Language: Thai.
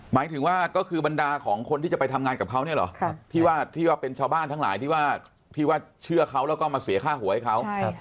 หมายถึงว่าก็คือบรรดาของคนที่จะไปทำงานกับเขาเนี่ยเหรอที่ว่าเป็นชาวบ้านทั้งหลายที่ว่าเชื่อเขาแล้วก็มาเสียค่าหัวให้เขา